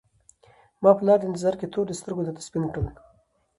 ما په لار د انتظار کي تور د سترګو درته سپین کړل